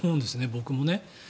僕もね。